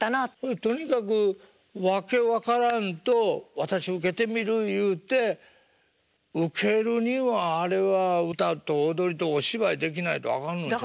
とにかく訳分からんと私受けてみるいうて受けるにはあれは歌と踊りとお芝居できないとあかんのんちゃう？